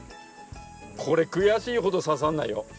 これ悔しいほど刺さんないよ。